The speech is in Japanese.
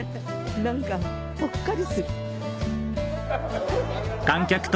何かほっかりする。